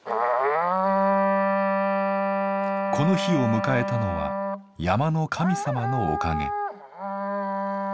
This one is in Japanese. この日を迎えたのは山の神様のおかげ。